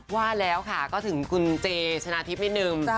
ว่าแล้วค่ะก็ถึงคุณเจชนะทิพย์นิดนึง